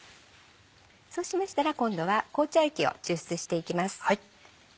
そうしましたら今度は紅茶液を抽出していきます。